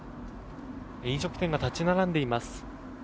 飲食店が立ち並んでいます。